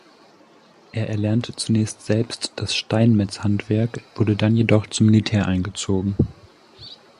Er erlernte zunächst selbst das Steinmetzhandwerk, wurde dann jedoch zum Militär eingezogen.